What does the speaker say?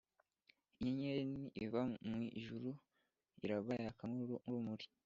inyenyeri nini iva mu ijuru iragwa yaka nk’urumuri,